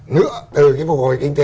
nữa từ cái mục hồi kinh tế này